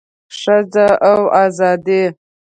ښځه او ازادي